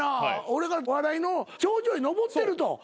俺が笑いの頂上に登ってると。